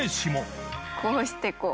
こうしてこう。